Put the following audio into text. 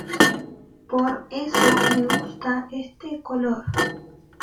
Por eso me gusta este color".